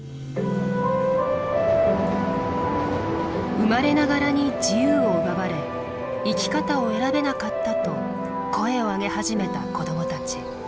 生まれながらに自由を奪われ生き方を選べなかったと声を上げ始めた子供たち。